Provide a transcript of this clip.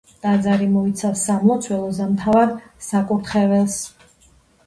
ტაძარი მოიცავს სამლოცველოს და მთავარ საკურთხეველს.